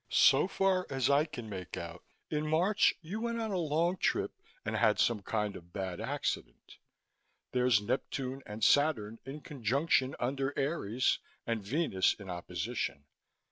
So far as I can make out, in March you went on a long trip and had some kind of bad accident. There's Neptune and Saturn in conjunction under Aries and Venus in opposition.